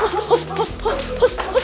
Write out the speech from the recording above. masuk masuk masuk